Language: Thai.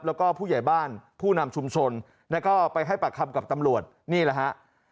แล้วก็ผู้ใหญ่บ้านผู้นำชุมชนแล้วก็ไปให้ปากคำกับตำรวจนี่แหละฮะ